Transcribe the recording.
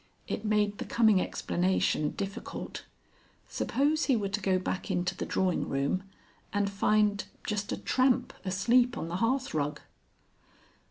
It made the coming explanation difficult. Suppose he were to go back into the drawing room, and find just a tramp asleep on the hearthrug.